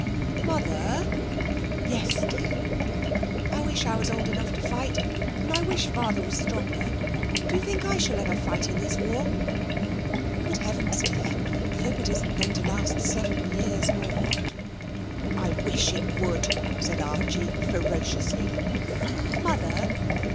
'Mother!' 'Yes, dear?' 'I wish I was old enough to fight. And I wish father was stronger.... Do you think I shall ever fight in this war?' 'Good heavens, dear! I hope it isn't going to last seven years more.' 'I wish it would,' said Archie ferociously. 'Mother!'